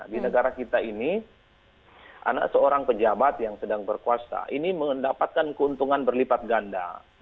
di negara kita ini anak seorang pejabat yang sedang berkuasa ini mendapatkan keuntungan berlipat ganda